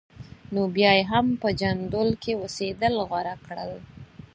نو بیا یې هم په جندول کې اوسېدل غوره کړل.